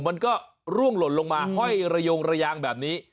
มันก็ร่วงหล่นลงมาห้อยระยงระยางแบบนี้